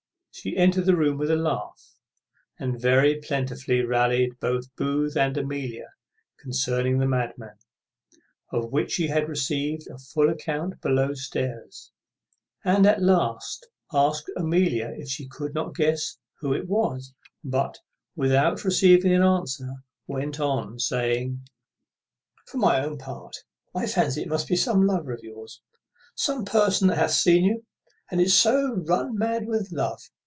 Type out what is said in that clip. She entered the room with a laugh, and very plentifully rallied both Booth and Amelia concerning the madman, of which she had received a full account below stairs; and at last asked Amelia if she could not guess who it was; but, without receiving an answer, went on, saying, "For my own part, I fancy it must be some lover of yours! some person that hath seen you, and so is run mad with love.